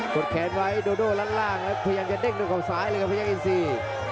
กดแขนไว้โดโดล้านล่างพยายามจะเด้งตรงของซ้ายเลยครับพยายามที่สี่